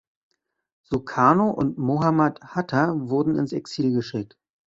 Sukarno und Mohammad Hatta wurden ins Exil geschickt.